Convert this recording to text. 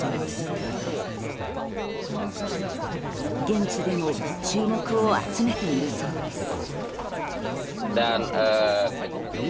現地でも注目を集めているそうです。